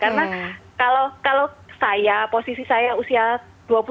karena kalau saya posisi saya usia dua belas tahun